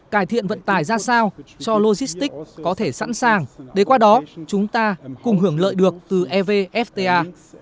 cải thiện vận tải ra sao cho logistics có thể sẵn sàng để qua đó chúng ta cùng hưởng lợi được từ evfta